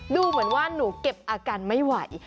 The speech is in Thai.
ดูเหมือนว่าหนูเก็บอาการไม่ไหว